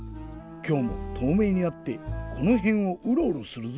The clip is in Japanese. きょうもとうめいになってこのへんをうろうろするぞ。